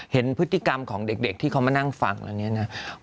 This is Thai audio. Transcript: เห็นพฤติกรรมของเด็กที่เขามานั่งฟังอะไรอย่างนี้นะ